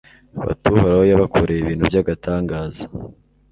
bati Uhoraho yabakoreye ibintu by’agatangaza